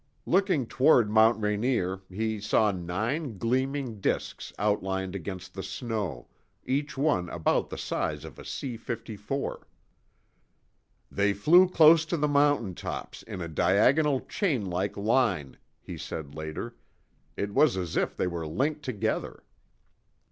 Looking toward Mount Rainier, he saw nine gleaming disks outlined against the snow, each one about the size of a C 54. "They flew close to the mountaintops, in a diagonal chainlike line," he said later. "It was as if they were linked together."